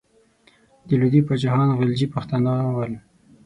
د لودي پاچاهان غلجي پښتانه ول.